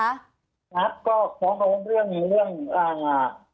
ครับก็ฟ้องเรื่องเรื่องอ่าเรื่องอ่าประทานผู้เสียชีวิตเนี่ยฮะ